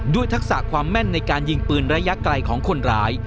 ทักษะความแม่นในการยิงปืนระยะไกลของคนร้าย